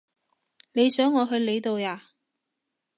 你想我去你度呀？